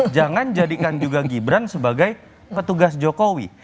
jangan jadikan juga gibran sebagai petugas jokowi